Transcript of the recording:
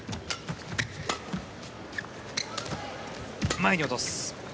前に落とす。